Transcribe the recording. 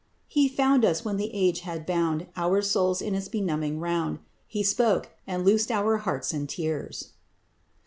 He found us when the age had bound Our souls in its benumbing round; He spoke, and loosed our heart in tears.